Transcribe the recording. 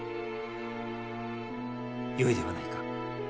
よいではないか。